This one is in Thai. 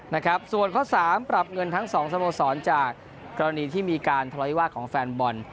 นะครับส่วนข้อสามปรับเงินทั้งสองสโมสรจากกรณีที่มีการทะเลาวิวาสของแฟนบอล